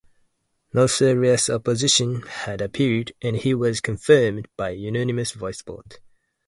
No serious opposition had appeared and he was confirmed by unanimous voice vote.